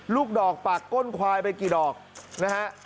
ลูกดอกปากก้นควายไปกี่ดอกนะฮะ